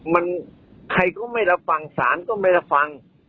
มันใครก็ไม่รับฟังศาลก็ไม่รับฟัง